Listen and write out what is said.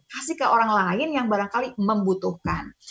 kasih ke orang lain yang barangkali membutuhkan